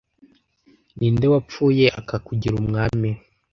Ni nde wapfuye akakugira umwami?